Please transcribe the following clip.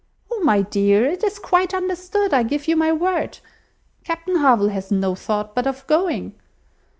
"Oh! my dear, it is quite understood, I give you my word. Captain Harville has no thought but of going."